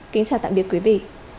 kính chào tạm biệt quý vị